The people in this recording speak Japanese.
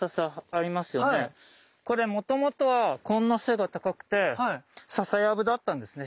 これもともとはこんな背が高くてササヤブだったんですね